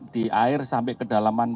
di air sampai kedalaman